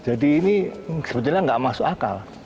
jadi ini sebenarnya tidak masuk akal